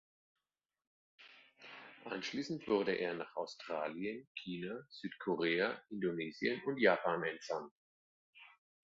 Anschließend wurde er nach Australien, China, Südkorea, Indonesien und Japan entsandt.